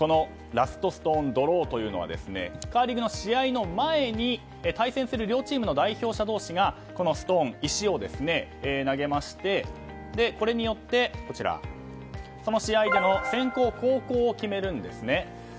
ラストストーンドローというのはカーリングの試合の前に対戦する両チームの代表者同士がストーン、石を投げましてこれによって試合での先攻・後攻を決めるんですね。